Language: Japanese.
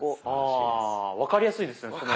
ああ分かりやすいですね。